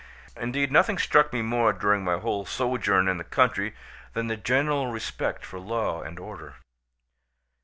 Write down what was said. Indeed, nothing struck me more during my whole sojourn in the country, than the general respect for law and order.